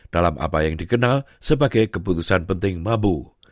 dalam apa yang dikenal sebagai keputusan penting mabu